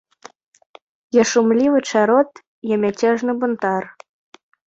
Я шумлівы чарот, я мяцежны бунтар.